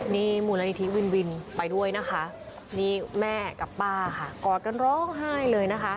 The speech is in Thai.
นี่มูลนิธิวินวินไปด้วยนะคะนี่แม่กับป้าค่ะกอดกันร้องไห้เลยนะคะ